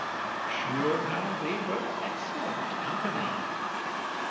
Sure now they were excellent company!